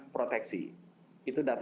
proteksi itu data